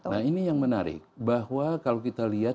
nah ini yang menarik bahwa kalau kita lihat